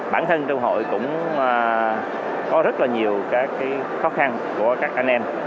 bản thân trong hội cũng có rất là nhiều các khó khăn của các anh em